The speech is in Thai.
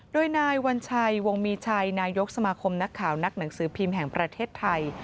โดยนายวัญชัยวงมีชัยนายกสมาคมนักข่าวนักหนังสือพิมพ์แห่งประเทศไทย